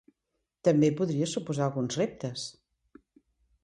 També podria suposar alguns reptes.